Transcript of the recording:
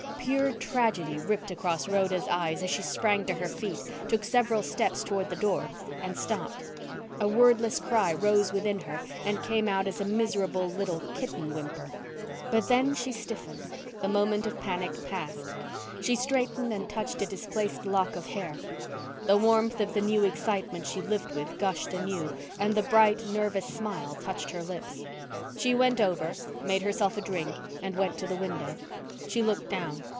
Pure tragedy ripped across Rhoda's eyes as she sprang to her feet, took several steps toward the door, and stopped. A wordless cry rose within her and came out as a miserable little kitten whimper. But then she stiffened. The moment of panic passed. She straightened and touched a displaced lock of hair. The warmth of the new excitement she lived with gushed anew, and the bright, nervous smile touched her lips. She went over, made herself a drink and went to the window. She looked down.